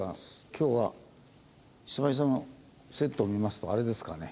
今日は久々のセットを見ますとあれですかね？